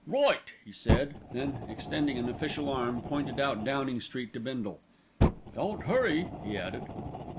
"Right!" he said, then extending an official arm, pointed out Downing Street to Bindle. "Don't hurry," he added.